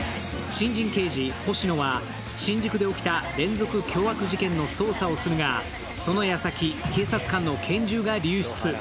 新人刑事・星野は新宿で起きた連続凶悪事件の捜査をするがそのやさき、警察官の拳銃が流出。